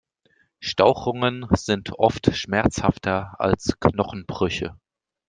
Stauchungen sind oft schmerzhafter als Knochenbrüche.